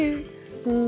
うん。